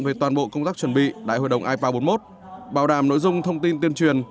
về toàn bộ công tác chuẩn bị đại hội đồng ipa bốn mươi một bảo đảm nội dung thông tin tuyên truyền